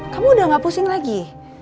kamu udah gak pusing lagi